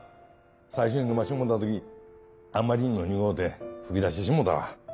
最初に飲ませてもろうた時あんまりにも苦うて噴き出してしもうたわ。